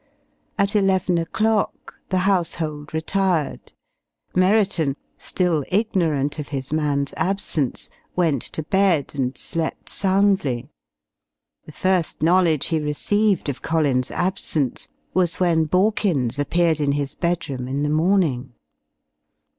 At eleven o'clock the household retired. Merriton, still ignorant of his man's absence, went to bed and slept soundly. The first knowledge he received of Collins' absence was when Borkins appeared in his bedroom in the morning.